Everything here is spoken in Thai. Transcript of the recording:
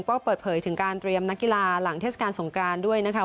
ก็เปิดเผยถึงการเตรียมนักกีฬาหลังเทศกาลสงกรานด้วยนะคะ